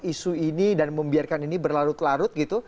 isu ini dan membiarkan ini berlarut larut gitu